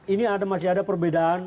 ini masih ada perbedaan